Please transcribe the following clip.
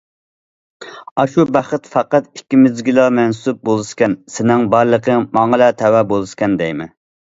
ئاشۇ بەخت پەقەت ئىككىمىزگىلا مەنسۇپ بولسىكەن، سېنىڭ بارلىقىڭ ماڭىلا تەۋە بولسىكەن دەيمەن.